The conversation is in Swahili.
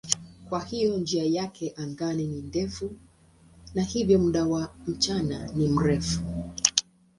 Kwa hiyo njia yake angani ni ndefu na hivyo muda wa mchana ni mrefu.